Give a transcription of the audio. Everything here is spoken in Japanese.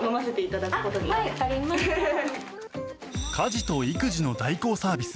家事と育児の代行サービス